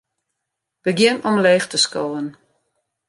Begjin omleech te skowen.